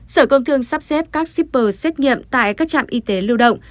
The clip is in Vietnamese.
sở công thương sắp xếp các shipper xét nghiệm tại các trạm y tế lưu động